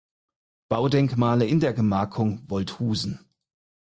Baudenkmale in der Gemarkung Wolthusen.